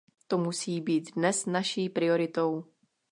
To musí být dnes naší prioritou.